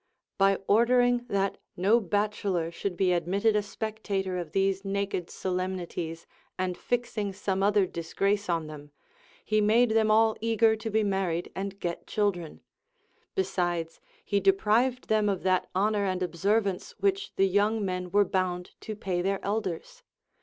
By ordering that no bache lor should be admitted a spectator of these naked solemnities LACONIC APOPHTHEGMS. 423 and fixing some other disgrace on them, he made them all ea ger to be married and get children ; besides, he deprived them of that honor and observance which the young men Avere bound to pay their elders.